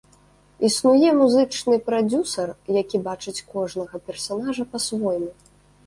Існуе музычны прадзюсар, які бачыць кожнага персанажа па-свойму.